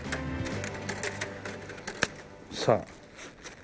さあ。